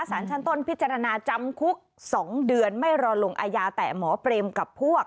สารชั้นต้นพิจารณาจำคุก๒เดือนไม่รอลงอายาแต่หมอเปรมกับพวก